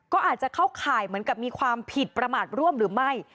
ก็อาจจะเข้าข่ายเหมือนกับมีความผิดประมาทร่วมหรือไม่